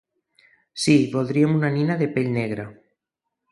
Sí, voldríem una nina de pell negra.